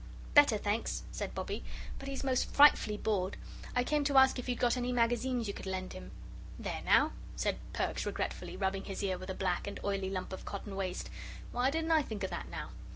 "Better, thanks," said Bobbie, "but he's most frightfully bored. I came to ask if you'd got any Magazines you could lend him." "There, now," said Perks, regretfully, rubbing his ear with a black and oily lump of cotton waste, "why didn't I think of that, now?